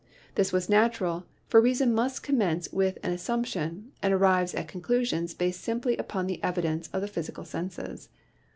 This was natural, for reason must commence with an assump tion and arrives at conclusions based simply upon the evidence of the physical senses.